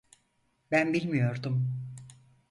Ben bilmiyordum.